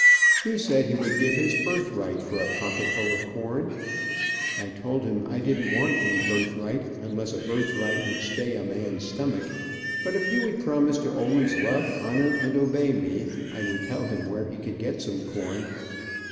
He said he would give his birthright for a pocket full of corn. I told him I didn't want any birthright, unless a birthright would stay a man's stomach, but if he would promise to always love, honor and obey me, I would tell him where he could get some corn.